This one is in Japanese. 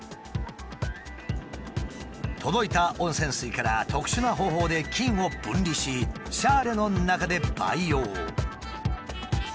届いた温泉水から特殊な方法で菌を分離しシャーレの中で培養。